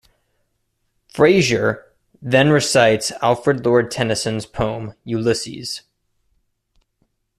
Frasier then recites Alfred Lord Tennyson's poem "Ulysses".